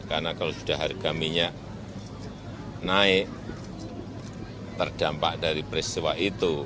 karena kalau sudah harga minyak naik terdampak dari peristiwa itu